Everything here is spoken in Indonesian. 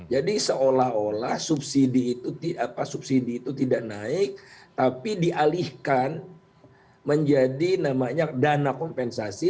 jadi seolah olah subsidi itu tidak naik tapi dialihkan menjadi namanya dana kompensasi